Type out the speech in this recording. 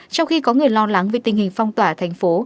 trong khi có người lo lắng về tình hình phong tỏa thành phố